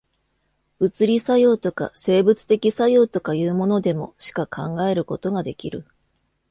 物理作用とか、生物的作用とかいうものでも、しか考えることができる。